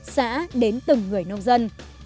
xã đến từng người nông dân